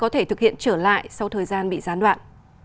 thực hiện trở lại sau thời gian bị gián đoạn